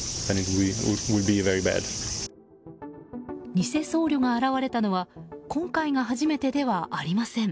偽僧侶が現れたのは今回が初めてではありません。